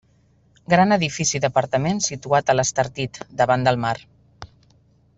Gran edifici d'apartaments situat a l'Estartit, davant del mar.